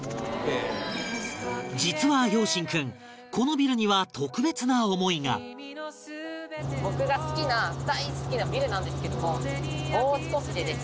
実は陽心君このビルには僕が好きな大好きなビルなんですけどももう少しでですね